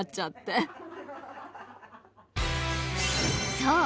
［そう。